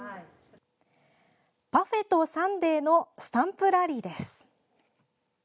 パフェとサンデーのスタンプラリーです。